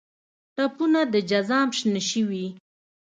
ټپونه د جزام شنه شوي